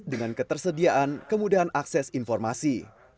dengan ketersediaan kemudahan akses informasi